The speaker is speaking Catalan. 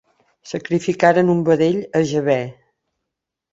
Sacrificaren un vedell a Jahvè.